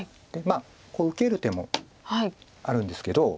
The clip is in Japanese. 受ける手もあるんですけど。